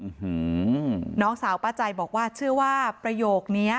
แต่จังหวะที่ผ่านหน้าบ้านของผู้หญิงคู่กรณีเห็นว่ามีรถจอดขวางทางจนรถผ่านเข้าออกลำบาก